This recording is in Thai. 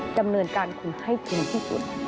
ดำเนินการคุณให้ถึงที่สุด